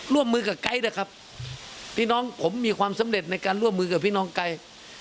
ร่วมมือกับไก๊ผมมีความสำเร็จในการร่วมมือกับพี่น้องไก๊